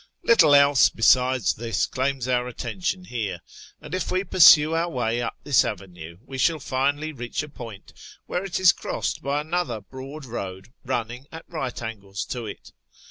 Little else besides this claims our attention here, and if we pursue our way up this avenue we shall finally reach a point where it is crossed by another broad road running at right angles to it.